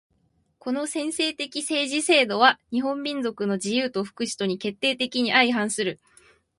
この専制的政治制度は日本民族の自由と福祉とに決定的に相反する。